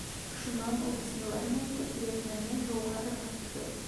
Шунан ул бисмиллаһын әйтеп йәтмәне һыуға ырғыта.